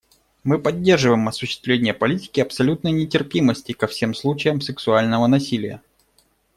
Мы поддерживаем осуществление политики абсолютной нетерпимости ко всем случаям сексуального насилия.